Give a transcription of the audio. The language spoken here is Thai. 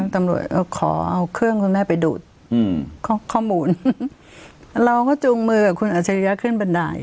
ตำรวจขอเอาเครื่องคุณแม่ไปดูดข้อมูลเราก็จูงมือกับคุณอัชริยะขึ้นบันได